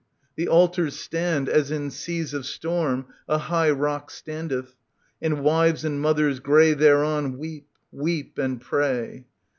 The altars stand, as in seas of storm a high Rock standeth, and wives and mothers grey thereon Weep, weep and pray.